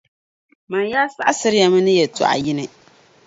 Mani yaa saɣisiri ya mi ni yεltɔɣa yini!